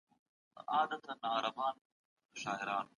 د حوصلې ورکولو سیسټم ګټور دی.